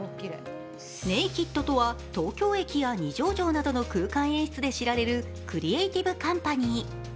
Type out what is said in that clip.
ＮＡＫＥＤとは東京駅や二条城などの空間演出で知られるクリエーティブカンパニー。